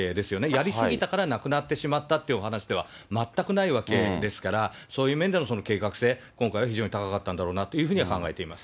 やりすぎたから亡くなってしまったってお話では全くないわけですから、そういう面での計画性、今回は非常に高かったんだろうなというふうには考えています。